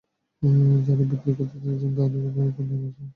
যাঁরা বিক্রি করতে চাইছেন না, তাঁদের ওপর নেমে আসছে নির্যাতনের খড়্গ।